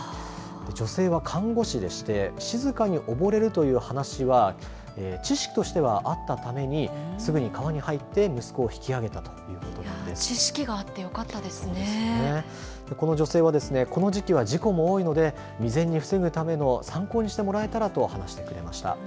女性は看護師でして静かに溺れるという話は知識としてはあったためにすぐに川に入って息子を引き揚げた知識があってこの女性はこの時期は事故も多いので未然に防ぐための参考にしてもらえたらと話してくれました。